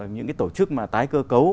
những cái tổ chức mà tái cơ cấu